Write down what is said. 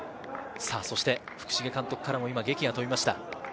そして福重監督からも檄が飛びました。